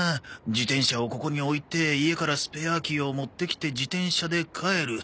自転車をここに置いて家からスペアキーを持ってきて自転車で帰る。